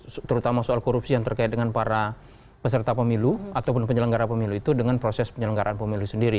kasus kasus hukum yang terutama soal korupsi yang terkait dengan para peserta pemilu atau penyelenggara pemilu itu dengan proses penyelenggaraan pemilu sendiri